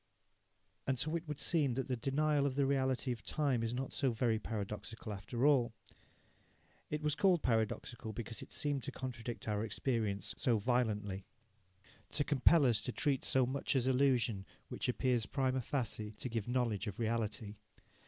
And so it would seem that the denial of the reality of time is not so very paradoxical after all. It was called paradoxical because it seemed to contradict our experience so violently to compel us to treat so much as illusion which appears prima facie to give knowledge of reality.